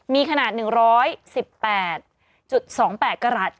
มีขนาด๑๑๘๒๘กรัฐ